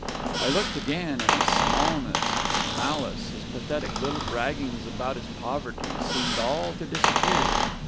I looked again; and his smallness, his malice, his pathetic little braggings about his poverty, seemed all to disappear.